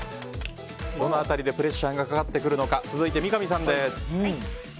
この辺りでプレッシャーがかかってくるのか続いて三上さんです。